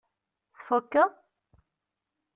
Tfukkeḍ?